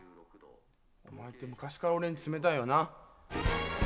お前って昔から俺に冷たいよな。